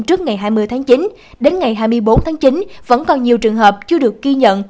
trước ngày hai mươi tháng chín đến ngày hai mươi bốn tháng chín vẫn còn nhiều trường hợp chưa được ghi nhận